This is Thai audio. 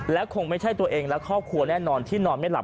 และคงไม่ใช่ตัวเองและครอบครัวแน่นอนที่นอนไม่หลับ